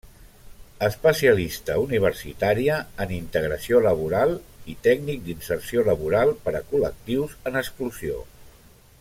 Especialista universitària en Integració Laboral i tècnic d'inserció laboral per a col·lectius en exclusió.